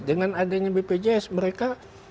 dengan adanya bpjs mereka